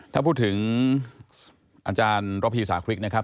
ถ้าพูดถึงอาจารย์ระพีสาคริกนะครับ